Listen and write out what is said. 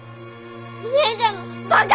お姉ちゃんのバカ！